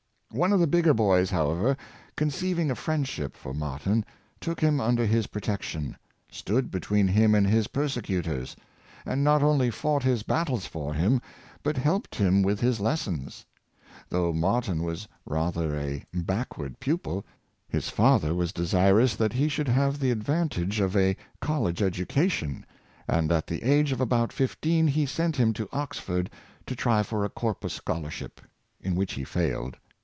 One of the bigger boys, however, conceiving a friendship for Martyn, took him under his protection, stood between him and his persecutors, and not only fought his battles for him, but helped him with his les sons. Though Martyn was rather a backward pupil, his father was desirous that he should have the advant age of a college education, and at the age of about fifteen he sent him to Oxford to try for a Corpus scholarship, in which he failed.